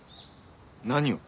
何を？